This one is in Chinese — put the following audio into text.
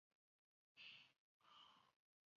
是一款由科乐美制作和发行的动作平台类游戏。